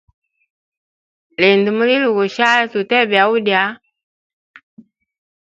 Linda mulilo gushali tuteye byaulya.